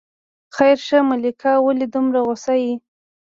خیر شه ملکه، ولې دومره غوسه یې.